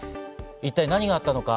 一体何があったのか。